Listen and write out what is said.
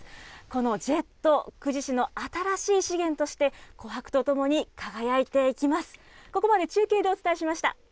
このジェット、久慈市の新しい資源として、琥珀とともに輝いていきます。